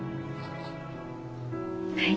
はい。